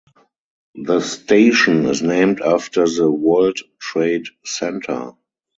The station is named after the World Trade Centre.